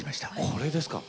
これですか。